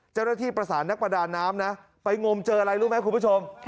เจ้าหน้าที่ประสานนักประดาน้ำนะไปงมเจออะไรรู้ไหมคุณผู้ชม